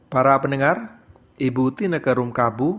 para pendengar ibu tineke rumkabu